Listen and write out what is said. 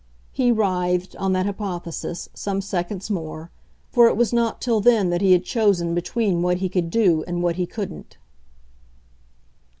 He writhed, on that hypothesis, some seconds more, for it was not till then that he had chosen between what he could do and what he couldn't.